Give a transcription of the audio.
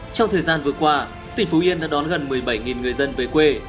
trong thời gian vừa qua tỉnh phú yên đã đón gần một mươi bảy người dân về quê